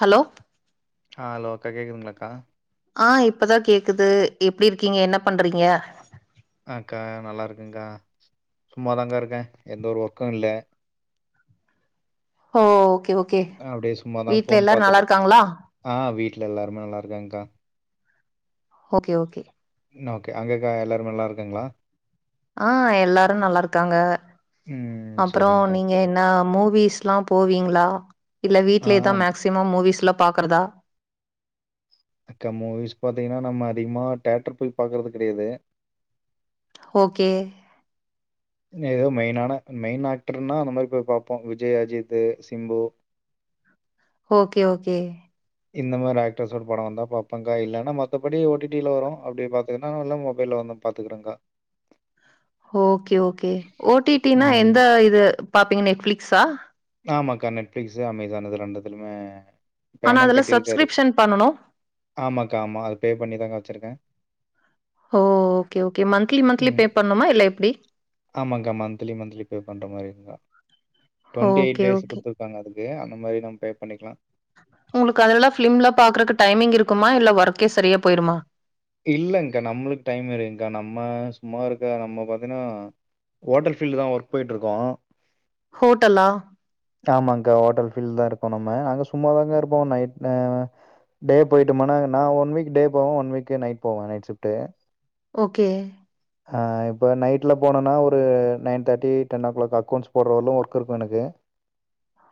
Hello ஆ hello அக்கா கேட்குதுங்களா அக்கா ஆ இப்பதா கேக்குது எப்டி இருக்கீங்க என்ன பண்றீங்க அக்கா நல்லா இருக்கங்க்கா சும்மாதாக்கா இருக்கே எந்த ஒரு ஒர்க்கு இல்ல ஓ ஓகே ஓகே அப்படியே சும்மாதான் வீட்ல ஃபோன் எல்லாரு நல்லா பாத்துட்டு இருக்காங்களா ஆ வீட்டுல எல்லாருமே நல்லா இருக்காங்கக்கா ஓக்கே ஓக்கே என்ன ஓக்கே அங்கேர்க்கா எல்லாரு நல்லாருக்காங்களா ஆ எல்லாரு நல்லாருக்காங்க ம் அப்றொ சரிங்க்கா நீங்க சரிங்க என்ன மூவிஸ்லாம் போவீங்களா இல்ல ஆ வீட்லேதா மேக்சிமம் மூவிஸ்லா பாக்றதா அக்கா மூவிஸ் பாத்தீங்கனா நம்ம அதிகமா தேட்டர் போய் பாக்குறது கெடயாது ஓக்கே எதோ மெயினான மெயின் ஆக்டர்னா அந்த மாரி போய் பாப்போ விஜய் அஜித்து சிம்பு ஓக்கே ஓக்கே இந்த மாரி ஆக்டர்ஸோட படோ வந்தா பாப்போங்க்கா இல்லனா மத்தபடி ஓடிடில வரு அப்டியே பாத்துக்கினா இல்ல மொபைல வந்ரு பாத்துக்கறங்கா ஓகே ஓகே ஓ டீ டீ னா ம் எந்த இது பாப்பீங்க நெட்ஃப்ளிக்ஸா ஆமாங்க்கா நெட்ஃப்ளிக்ஸு அமேசான் இது ரெண்டுத்துலமே ஆனா அதுல்லா சப்ஸ்க்ரிப்ஷன் பண்ணனு ஆமாக்கா ஆமா அது பே பண்ணி தாக்கா வெச்சுருக்கே ஓ okay okay monthly monthly pay பண்ணுமா இல்ல எப்டி ஆமாங்கா மந்த்லி மந்த்லி பே பண்ற மாரி இருக்குகா twenty eight okay days okay குடுத்துருக்காங்க அதுக்கு. அந்த மாரி நம்ம பே பண்ணிக்கலா. உங்களுக்கு அதெல்லா ஃப்லிம்ல பாக்குறது டைமிங் இருக்குமா. இல்ல வொர்க்கே சரியா போய்ருமா இல்லங்கா நம்மளுக்கு டைம் இருங்க்கா. நம்ம சும்மா இருக்கா நம்ம பாத்தன்னா ஓட்டல் ஃபீல்ட் தா வொர்க் போய்ட்ருக்கோ. ஹோட்டலா ஆமாங்கா ஹோட்டல் ஃபீல்ட் தா இருக்கோ நம்ம. அங்க சும்மாதாகா இருப்போ நைட் ந டே போய்ட்டோமன்னா நா ஒன் வீக் டே போவே. ஒன் வீக் நைட் போவே நைட் ஷிஃப்டு ஓகே அ ஆ இப்ப நைட்ல போனோன்னா ஒரு nine thirty ten o'clock accounts போட்றவளூ வொர்க் இருக்கு எனக்கு.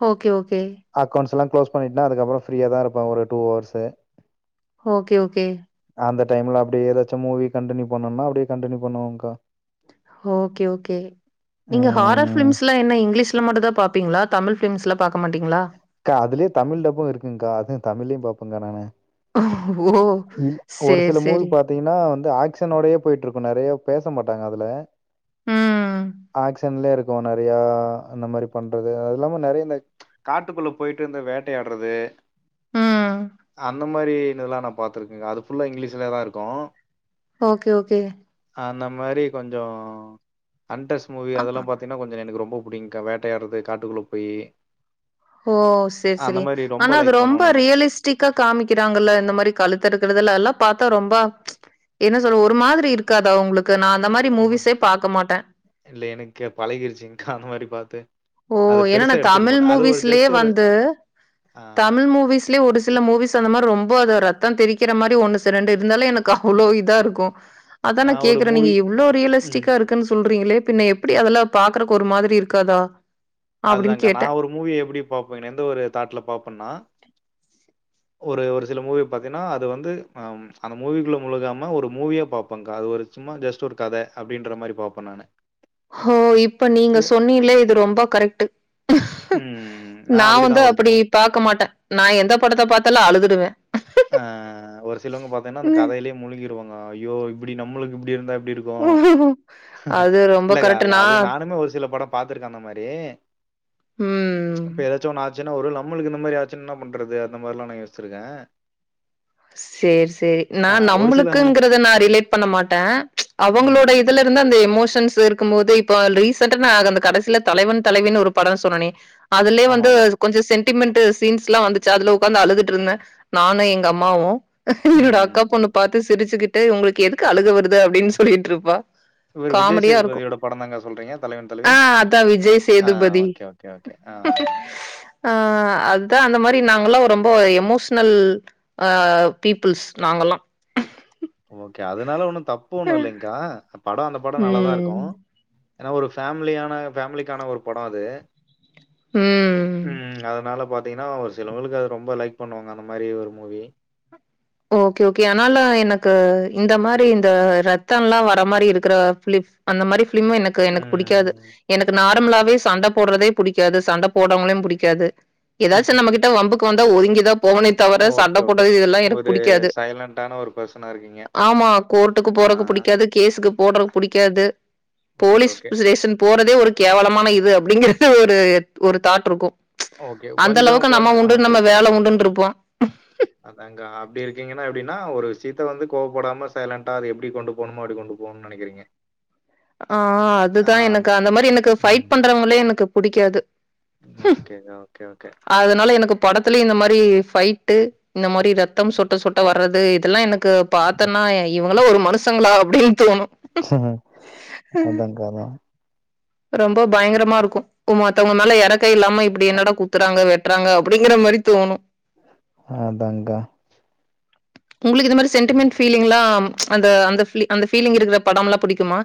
ஓகே ஓகே அக்கௌண்ட்ஸ் எல்லா க்ளோஸ் பண்ணிட்னா அதுக்கப்பறோ ஃப்ரீயா தா இருப்ப ஒரு டூ ஹவர்ஸு. ஓகே ஓகே அந்த டைம்ல அப்டே எதாச்சு மூவி கண்டின்யூ பண்ணுனா அப்டி கண்டின்யூ பண்ணுவக்கா. Okay okay. நீங்க ஹாரஃப் ம் ஃப்லிம்ஸ்ல என்ன இங்கிலீஷ்ல மட்டுந்தா பாப்பீங்களா. தமிழ் ஃப்லிம்ஸ்லா பாக்க மாட்டீங்களா கா அதுலயே தமிழ் டப்பூ இருக்குங்க்கா. அது தமிழ்லயூ பாப்பக்கா நானு. ஓ! இல் ஒரு சரி, சில மூவி சரி. பாத் பாத்தீங்கன்னா வந்து ஆக்சன் ஓடயே போய்ட்டு இருக்கு நறையா பேச மாட்டாங்க அதுல. ம். ஆக்சன்லே இருக்கு நறையா அந்த மாரி பண்றது. அது இல்லாம நறையா இந்த ட்டுக்குள்ள போய்ட்டு இந்த வேட்டயாட்றது ம். அந்த மாரின்லா நா பாத்துருக்கேக்கா. அது ஃபுல்லா இங்கிலீஷ்லே தா இருக்கு. ஓகே ஓகே அந்த மாரி கொஞ்சோ அண்ட்ரஸ் மூவி அ அதெல்லா பாத் சின்ன கொஞ்சோ எனக்கு ரொம்போ புடிக்கியுக்கா வேட்டயாட்றது காட்டுக்குள்ள போயீ ஓ செரி செரி. ரொம்ப ஆனா அது லைக் பண்ணுவேன் ரொம்ப நானு ரியலிஸ் டிக்கா காமிக்கிறாங்கல்ல இந்த மாரி கழுத்தறுக்கறது எல்லா அதெல்லா பாத்தா ரொம்ப என்ன சொல்ல ஒரு மாதிரி இருக்காதா உங்களுக்கு. நா அந்த மாரி ஆமா மூவிஸே பாக்க மாட்ட. இல்ல. எனக்கு பழகிருச்சுங்க்கா அந்த மாரி பாத்து. ஓ! அது ஏன்னா பெருசா நான் எடுத்துக்க தமிழ் மாட்ட. அது ஒரு மூவிஸ்லயே ஜஸ்ட் ஒரு வந்து ஆ தமிழ் மூவீஸ் ஒரு சில மூவீஸ் அந்த மாரி ரொம்ப அத ரத்தம் தெரிக்கிற மாரி ஒண்ணு சி ரெண்டு இருந்தாலே எனக்கு அவ்ளோ இதா இருக்கு. அதா நா நான் ஒரு கேக்குறே நீங்க மூவி எவ்ளோ ம் ரியலிஸ்டிக்கா இருக்குன்னு சொல்றீங்களே பின்ன எப் ப்டி அதெல பாக்குறக்கு ஒரு மாதிரி இருக்காதா அப்படின்னு அதுதாக்க நா கேட்டேன். ஒரு மூவிய எப்டி பாப்பே எந்த ஒரு தாட்ல பாப்பன்னா ஒரு ஒரு சில மூவி பாத்தீன்னா அது வந்து அம் அந்த மூவிக்குள்ள முழுகாம ஒரு மூவியா பாப்பக்கா அது சும்மா ஜஸ்ட் ஒரு கதை அப்டின்ற மாரி பாப்ப நானு ஹோ இப்ப நீங்க ஓ சொன்னீல இது ரொம்ப கரெக்ட் ம் நான் நா வந்து அப்டிதான் ஒரு மூ அப்டி பாக்க மாட்ட நா எந்த படத்த பாத்தாலு அழுதுடுவ ஆ ஒரு சிலவங்க பாத்தீன்னா அந்த கதையிலேயே முழுகிருவாங்க ஐயோ இப்டி நம்மளுக்கு இப்டி இருந்தா எப்டி இருக் க்கு அது ரொம்ப இல்லக்கா கரெக்ட்டு. இல்ல அது நான் நானுமே ஒரு சில படோ பாத்திருக்க அந்த மாரி ம். இப்ப எதாச்சு ஒண்ணு ஆச்சுன்னா ஒருவேல நம்மளுக்கு இந்த மாதிரி ஆச்சுன்னா என்ன பண்றது அந்த மார் லா நா யோசிச்ருக்க சேரி சேரி நா ஆ ஒரு சில நம்புளுக்குங்றத நா ரிலேட் பண்ண மாட்டே அவுங்களோட ம். இதுல இருந்து அந்த எமோஷன்ஸ் இருக்கும்போது இப்ப ரீசன்ட்டா நா அந்த கடசில தலைவன் தலைவினு ஒரு படோ சொன்னனே அதுலே வந்து ஆமாமா. கொஞ்சோ சென்டிமெண்ட்டு சீன்ஸ்லா வந்துச்சா அதுல உக்காந்து அழுதுட்ருந்தே நானு எங் க அம்மாவு என்னோட அக்கா பொண்ணு ம். பாத்து சிரிச்சுக்கிட் ட்டு உங்குளுக்கு எதுக்கு அழுக வருது அப்டின் சொல்லிட்ருப்பா இவுரு விஜய் சேதுபதியோட படதாங்கா சொல்றீங்க தலைவன் தலைவி ஆ அதா விஜய் ஆ Sethupathi okay okay okay ஆ ஆ அது தா அந்த மாரி நாங்கலா ரொம்ப எமோஷ்னல் ஆ பீப்புள்ஸ் நாங்கலா ஓகே அதுனால ஒன்னு தப்பு ஆ ஒன்னு இல்லைங்கா படோ அந்த படோ நல்லாதா ம். இருக்கு ஏனா ஒரு ஃபேமிலியான ஃபேமிலிக்கான ஒரு படோ அது ம். ம் அதனால பாத் திங்னா ஒரு சிலவங்களுக்கு அது ரொம்ப லைக் பண்ணுவாங்க அந்த மாரி ஒரு மூவி ஓகே ஓகே அனால எனக்கு இந்த மாரி இந்த ரத்தல்லா வர மாரி இருக்குற ஃபிலி அந்த மாரி ஃபிலிம்மு எனக்கு எனக்கு புடிக்காது ம். எனக்கு நார் மலாவே சண்ட போட்றதே புடிக்காது சண்ட போடவங்களையு புடிக்காது எதாச்சு நம்மக்கிட் ட்ட வம்புக்கு வந்தா ஒதுங்கி தா போவனே தவர சண்ட ஓகே, ஓகே. போடது இதெல்லா எனக் ஒரு புடிக்காது சைலன்ட்டான ஒரு பெர்சனா இருக்கீங்க. ஆமா கோர்ட்டுக்கு ஆ. போறக்கு புடிக்காது கேஸுக்கு போட்ற புடிக்காது ஓகே, போலீஸ் ஓகே. ஸ்டேஷன் போறதே ஒரு கேவலமான இது அப்டிங்கறது ஒரு ஒரு தாட் இருக்கு ஓகே. கொஞ்சம் அந்தளவுக்கு நம்ம உண்டு நம்ம வேல உண்டுன்ருப்போ அ அதாங் கா அப்டி இருக்கீங்கன்னா எப்டின்னா ஒரு விஷ்யத்த வந்து கோவப்படாம சைலண்ட்டா அத எப்டி கொண்டு போணுமோ அப்டி கொண்டு போணுன் நெனக்கிறீங்க ஆ அதுதா எனக்கு அந்த மாரி எனக்கு ஃபைட் ம். பண்றவங்களே எனக்கு புடிக்காது ஹும் ஓகே, ஓகே, ஓகே. அதனால எனக்கு படத்துலியு இந்த மாரி ஃபைட்டு இந்த மாரி ரத்தம் சொட்ட சொட்ட வர்றது இதெல்லா எனக்கு பாத்தன்னா இவங்கலா ஒரு மனுசங்களா அப்டின் தோணு அதாங் க்கா அதா ரொம்ப பயங்கரமா இருக்கு மத்தவங்க மேல எறக்க இல்லாம இப்டி என்னடா குத்துறாங்க வெட் ட்றாங்க அப்டிங்ற மாரி தோணு அதாங் க்கா உங்குளுக்கு இது மரி சென்டிமெண்ட் ஃபீலிங்லா அந்த அந்த ஃபீலி அந்த ஃபீலிங் இருக்குற படம்லா புடிக்குமா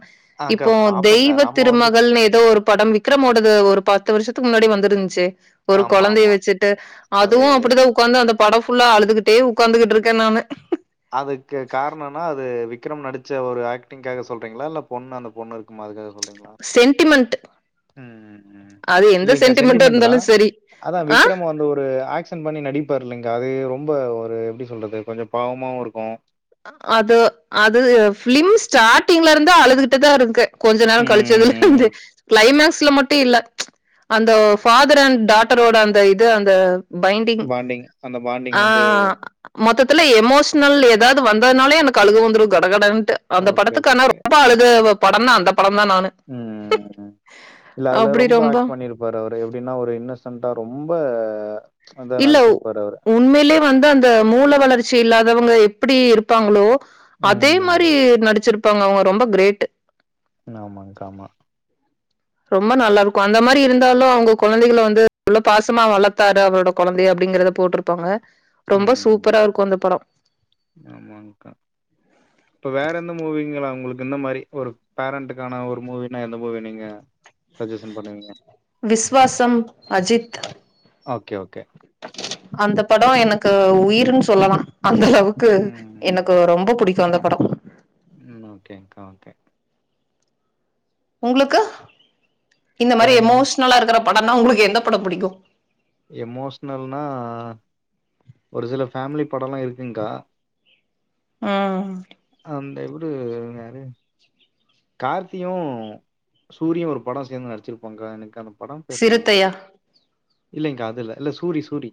அக்கா இப்போ பாப்போங்க. தெய்வ நம்ம வந்து திருமகள்னு எதோ ஒரு படம் விக்ரமோடது ஒரு பத்து வர்ஷத்துக்கு முன்னாடி வந்துருன்ச்சே ஒரு ஆமா, கொழந்தைய ஆமா. வச்சுட்டு அதே அதுவு அதேதான். அப்டிதா உக்காந்து அந்த படோ ஃபுல்லா அழுதுகிட்டே உக்காந்துகிட்ருக்கே நானு அதுக்கு காரணன்னா அது விக்ரம் நடிச்ச ஒரு ஆக்டிங்க்காக சொல்றீங்ளா இல்ல பொண்ணு அந்த பொண்ணு இருக்குமா அதுக்காக சொல்றீங்ளா சென்டிமெண்ட்டு ம் ம் ம் இல்லைங்க்கா சென்டிமென்ட்டா சென்டிமெண்ட்டு தா இருந்தாலும் சரி. அதா ஆ விக்ரம் வந்து ஒரு ஆக்ஷ் ஷன் பண்ணி நடிப்பாரு இல்லைங்கா அது ரொம்ப ஒரு எப்டி சொல்றது கொஞ்சோ பாவமாவு இருக்கு அது அது ஃபிலிம் ஸ்டார்ட்டிங்ல இருந்து அழுதுகிட்டுதா இருக்கே கொஞ்ச நாள் ம் கழிச்சதுலந்து கிளைமேக்ஸ்ல மட்டு இல்ல அந்த ஃபாதர் அண்ட் டாட்டரோட அந்த இது அந்த பைண்டிங் பாண்டிங் அந்த பாண்டிங் ஆ வந்து மொத்தத்துல எமோஷனல் எதாவது வந்ததுனாலே எனக்கு அழுக வந்துடோ கடகடன்ட்டு அந்த ஓகே படத்துக்கு ஓகே ஆனா ரொம்ப அழுத படோனா அந்த படோ தா நானு ம் இல்ல அதுல ரொம்ப ஆக்ட் பண்ணிரு ப்பாரு அவரு எப்டீன்னா ஒரு இன்னோசன்டா ரொம்ப அதா இல்ல நடிச்சிருப்பாரு அவரு உண்மயிலயே வந்து அந்த மூள வளர்ச்சி இல்லாதவங்க எப்புடி இருப்பாங்களோ அதே ம் மாரி நடிச்சிருப்பாங்க அவுங்க ரொம்ப கிரேட் ஆமாங்கா ஆமா ரொம்ப நல்லா இருக்கு அந்த மாரி இருந்தாலு அவுங்க கொழந்தைகள வந்து எவ்ளோ பாசமா வளத்தாரு அவரோட கொழந்தைய அப்டீங்கறத போட்ரு ப்பாங்க ரொம்ப சூப்பரா இருக்கு அந்த படோ ஆமாங்கா இப்ப வேற எந்த மூவிங்களா உங்களுக்கு இந்த மாரி ஒரு பேரண்ட்டக்கான ஒரு மூவினா எந்த மூவி நீங்க சஜஷன் பண்ணுவீங்க விஸ்வாசம் அஜித் ஓகே ஓகே அந்த படம் எனக்கு உயிருன்னு சொல்லலா அந்த அளவுக்கு ம் எனக்கு ரொம்ப புடிக்கு அந்த படோ உம் ஓகேங்கா ஓகே உங்குளுக்கு இந்த அக்கா மாரி எனக்கு எமோஷனலா இருக்கற படோனா உங்குளுக்கு எந்த படோ புடிக்கு எமோஷ்னல்னா ஒரு சில ஃபேமிலி படம்லா இருக்குங்கா ஆ அந்த இவரு யாரு கார்த்தியு சூரியு ஒரு படோ சேந்து நடிச்சிருப்பாங்கா எனக்கு அந்த படோ பேர் ஞாபகம் சிறுத்தையா வர்ல இல்லங்கா அது இல்ல இல்ல சூரி சூரி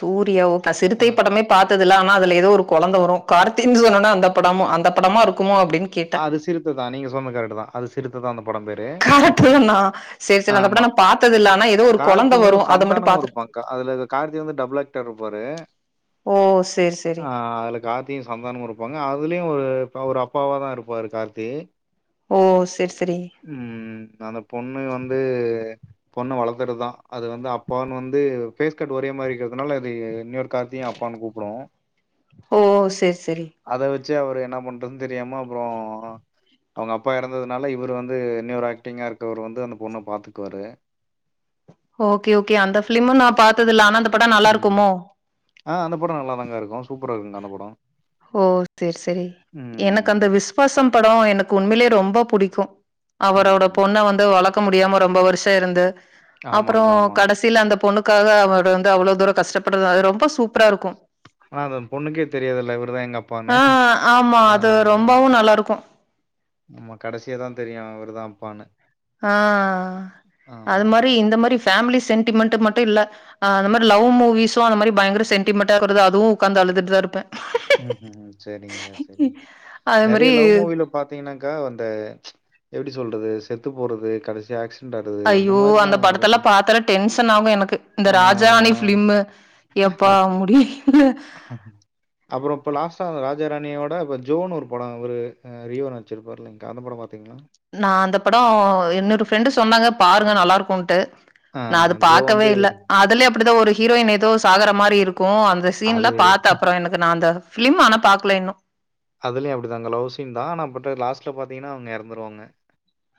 சூரியா ஓ பா ஆ சிறுத்தை படமே பாத்தது இல்ல ஆனா அதுல ஏதோ ஒரு கொழந்தை வரோ கார்த்தினு சொன்ன உடனே அந்த படமு அந்த படமா இருக்குமோ அப்டீன் அது சிறுத்ததா நீங்க சொன்னது கரெக்டுதா அது சிறுத்ததா அந்த படம் பேரு பாக்கல நா செரி செரி அந்தபடோ ஆமா நா பாத்தது இல்ல ஆனா ஏதோ ஒரு கொழந்த கார்த்தியு வரோ அத மட்டு சந்தானமு பாத்துருக் இருப்பாங்க்கா அதுல இந்த கார்த்தி வந்து டபுள் ஆக்டர் இருப்பாரு ஓ சேரி சேரி அ அதுல கார்த் தியு சந்தானமு இருப்பாங்க அதுலயு ஒரு ஒரு அப்பாவா தா இருப்பாரு கார்த்தி ஓ செரி செரி ம் அந்த பொண்ணு வந்து பொண்ணு வளத்துதுதா அது வந்து அப்பானு வந்து ஃபேஸ் கட் ஒரே மாரி இருக்கறதுனால அது இன்னியோரு கார்த்தியு அப்பானு கூப்புடோ ஓ செரி செரி அத வெச்சு அவரு என்ன பண்றதுன்னு தெரியாம அவுங்க அப்பா எறந்ததுனால இவரு வந்து இன்னியோரு ஆக்டிங்கா இருக்கறவரு வந்து அந்த பொண்ண பாத்துக்குவாறு ஓகே ஓகே அந்த ஃபிலிம நா பாத்ததில்ல ஆனா அந்த படோ நல்லா ம். இருக்குமோ ஆ அந்த படோ நல்லாதாங்க இருக்கோ சூப்பரா இருக்கோங்கா அந்த படோ ஓ செர் செரி எனக்கு அந்த ம். விசுவாசம் படோ எனக்கு உண்மையிலயே ரொம்ப புடிக்கோ அவரோட ம். பொண்ண வந்து வளக்க முடியாம ரொம்ப வர்ஷோ இருந்து அப்பறோ ஆமாங்க, ஆமா. கடைசியில அந்த பொண்ணுக்காக அவரு வந்து அவ்ளோ தூரோ கஷ்டப்படுறது அது ரொம்ப சூப்பரா இருக்கோ ஆனா அது பொண்ணுக்கே தெரியாது இல்ல இவருதா எங்க அப் அ ஆமா அது ரொம்பவு நல்லா இருக்கோ ஆமா கடசியதா தெரியு அவருதா அப்பான்னு அ அது மாரி ஆமாங்க்கா. இந்த மாரி ஃபேமிலி சென்டிமெண்ட் மட்டும் இல்ல அந்த மாரி லவ் முவிஸ்வும் அந்த மாரி பயங்கர சென்டிமென்டா [unintelligible] அதுவும் உக்காந்து அழுதுட்டு தான் இருப்பன் ம் ம் செரிங்க செரிங்க அது நறைய மாரி லவ் மூவில பாத்தீங்கன்னாக்கா வந்து எப்டி சொல்றது செத்து போறது கடைசி ஆக்ச ஐயோ அந்த படத்தலாம் பாத்தாலே டென்ஷன் ஆகும் எனக்கு இந்த ஆ ராஜராணி ஃப்லிம்மு எப்பா முடிய்ல [inaudible] அப்றோம் இப்போ லாஸ்டா ராஜராணியோட இப்போ ஜோனு ஒரு படம் இவரு ரியோ நடிச்சிருப்பாருல்ல அந்த படம் பாத்திங்ளா நான் அந்த படம் இன்னொரு ஃப்ரெண்டு் சொன்னாங்க பாருங்க நல்லா இருக்கும்ன்ட்டு ஆ நான் அது ஜோ வந்து பாக்கவே இல்ல இவரு அதுலயு அப்டிதான் ஒரு ஹீரோயின் ஏதோ சாகற மாரி இருக் க்கும் அந்த சீன்ல அது பார்த்த அப்புறம் எனக்கு நான் அந்த பிலிம் ஆனா பாக்கல இன்னும் அதுலயும் அப்டிதாங்க ல்வ் சீன் தான் ஆன பட் லாஸ்ட்ல பாத்தீங்கன்னா அவங்க இறந்துருவாங்க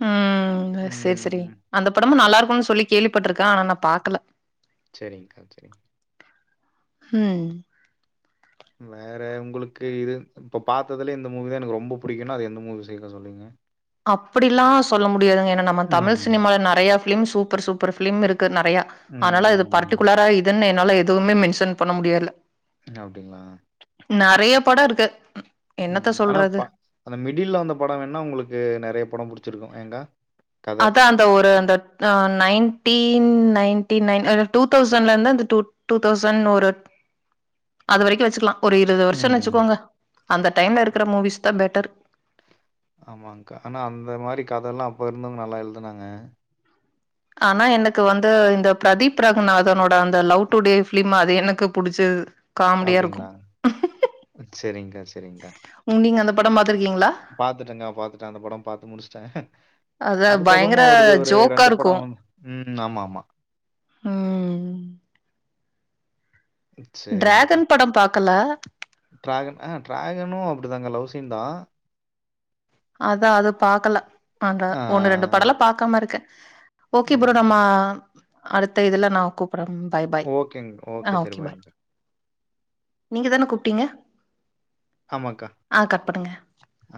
ம் செரி செரி ம். அந்த படமும் நல்லா இருக்கும் சொல்லி கேள்விப்பட்டிருக்கேன் ஆனா நான் பாக்கல செரிங்கா செரிங்கா ம் வேற உங்களுக்கு இது இப்ப பாத்ததுலெ இந்த மூவி தான் எனக்கு ரொம்ப புடிக்கும்னா அந்த எந்த மூவி சீக்கிரம் சொல்லுவீங்க அப்படிலாம் சொல்ல முடியாதுங்க ஏன்னா நம்ம தமிழ் ம். சினிமால நறைய பிலிம் சூப்பர் சூப்பர் பிலிம் இருக்கு நறையா ஆனால இது ம். பர்டிகுலரா இதுன்னு என்னால எதுவுமே மென்ஷன் பண்ண முடியல அப்டிங்களா நறைய படம் இருக்கு என்னத்த ம் ஆனா சொல்றது? அந்த மிடில்ல வந்த படம் வேனா உங்களுக்கு நறைய படம் புடிச்சிருக்கும் யெக்கா அதான் ஒரு அந்த நைன்டின் நைன்டி நைன் டூ தௌசண்ட்ல இருந்து டூ டூ தௌசண்ட் ஒரு அது வரைக்கும் வச்சுக்கலாம் ஒரு இருவது வருஷோம் ம். வச்சுக்கோங்க அந்த டைம்ல இருக்குற மூவிஸ் தான் பெட்டர் ஆமாங்கா ஆனா அந்த மாரி கதையெல்லாம் அப்போ இருந்தவங்க நல்லா எழுதுனாங்க ஆனா எனக்கு வந்து இந்த பிரதீப் ரகுநாதனோட அந்த லவ் டுடே பிலிம் அது எனக்கு புடிச்சுது அப்படிங்களா செரி்ங்கா செரிங்கா நீங்க அந்த படம் பாத்திருக்கீங்ளா பாத்துட்டேங்க பாத்துட்டேன் அந்த படம் பாத்துமுடிச்சுட்டன் அதா அதுக்கப்புறமா பயங்கர அவரது ஒரு ஜோக்கா ரெண்டு இருக்கு படம் ம் ஆமா ஆமா ம் செரி்ங்கா டிராகன் படம் பாக்கல ட்ராகன் ஆ டிராகனும் அப்டிதாங்க்க லவ் சீன் தான் அதான் அது பாக்கல அங்க ஆ ஒண்ணு ரெண்டு படலாம் பாக்காம இருக்கன் ஓகே ப்ரோ அதாங்க. நம்ம அடுத்த இதெல்ல நான் கூப் ப்றங் பாய் பாய் ஓகேங்க. ஆ சரி ஓகே பாய் பாய்ங்க்கா. நீங்க தான கூப்ட்டீங்க ஆமாக்கா ஆ கட்பண்ணுங்க ஆ.